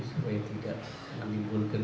supaya tidak menimbulkan